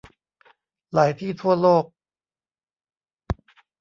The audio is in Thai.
หลายที่ทั่วโลก